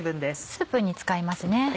スープに使いますね